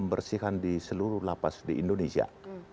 maafkan kerajaan indonesia